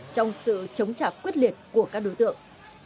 trong sự chống trả quyết liệt của các đối tượng